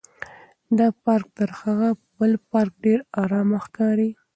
دا پارک تر هغه بل پارک ډېر ارامه ښکاري.